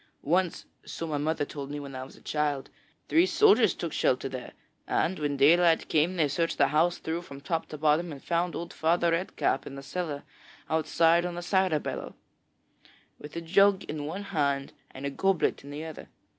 Once so my mother told me when I was a child three soldiers took shelter there, and when daylight came they searched the house through from top to bottom and found old Father Red Cap in the cellar outside on a cider barrel, with a jug in one hand and a goblet in the other.